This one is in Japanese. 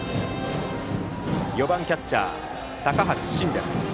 ４番キャッチャー、高橋慎。